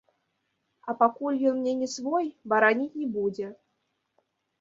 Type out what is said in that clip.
А пакуль ён мне не свой, бараніць не будзе.